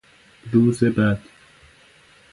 روز بد